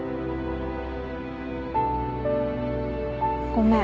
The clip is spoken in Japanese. ごめん。